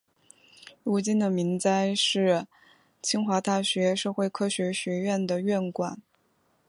如今的明斋是清华大学社会科学学院的院馆。